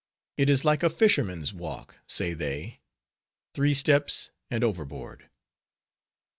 It is like a fisherman's walk,_ say they, _three steps and overboard.